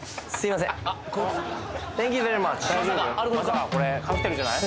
まさかこれカクテルじゃない？